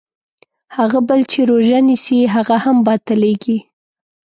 هغه بل چې روژه نیسي هغه هم باطلېږي.